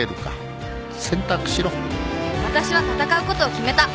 わたしは戦うことを決めた